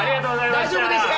大丈夫ですか？